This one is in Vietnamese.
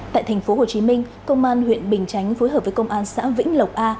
tại thành phố hồ chí minh công an huyện bình chánh phối hợp với công an xã vĩnh lộc a